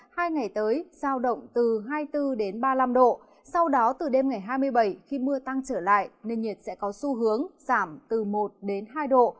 hai ngày tới sao động từ hai mươi bốn đến ba mươi năm độ sau đó từ đêm ngày hai mươi bảy khi mưa tăng trở lại nền nhiệt sẽ có xu hướng giảm từ một đến hai độ